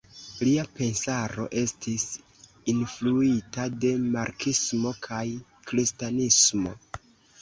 Lia pensaro estas influita de marksismo kaj kristanismo.